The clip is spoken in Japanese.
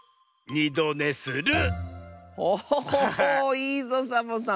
いいぞサボさん。